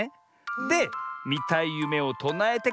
でみたいゆめをとなえてからめをつむる。